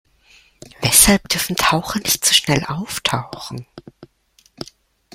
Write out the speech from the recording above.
Weshalb dürfen Taucher nicht zu schnell auftauchen?